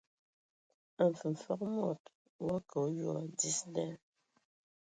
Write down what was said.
Mfəfəg mod wa kə a oyoa dis da.